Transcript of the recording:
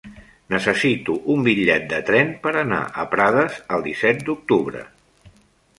Necessito un bitllet de tren per anar a Prades el disset d'octubre.